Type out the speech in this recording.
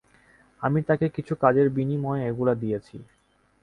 আমি তাকে কিছু কাজের বিনিময়ে এগুলো দিয়েছি।